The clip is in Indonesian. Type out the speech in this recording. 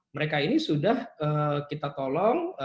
mereka ini sudah kita tolong